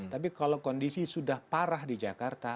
tapi kalau kondisi sudah parah di jakarta